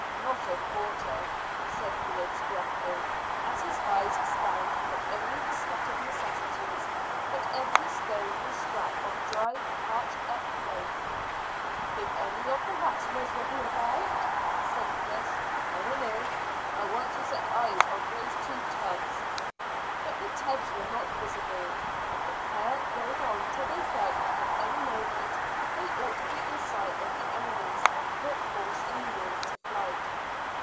"Not a quarter," said Griggs gruffly, as his eyes scanned not only the scattered necessities, but every stone and scrap of dry, parched up growth. "Think any of the rattlers will be about?" said Chris. "I dunno. I want to set eyes on those two tubs." But the tubs were not visible, and the pair rode on till they felt that at any moment they ought to be in sight of the enemies that put horse and mule to flight.